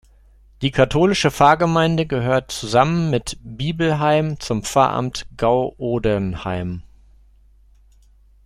Die katholische Pfarrgemeinde gehört zusammen mit Biebelnheim zum Pfarramt Gau-Odernheim.